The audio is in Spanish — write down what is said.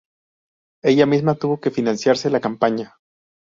Ella misma tuvo que financiarse la campaña.